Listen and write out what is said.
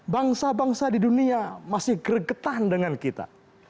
bangsa bangsa di dunia masih gregetan dengan kita